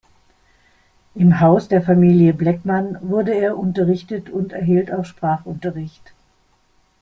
Im Haus der Familie Bleckmann wurde er unterrichtet und erhielt auch Sprachunterricht.